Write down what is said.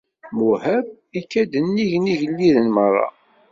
Muhab, ikka-d nnig n yigelliden merra.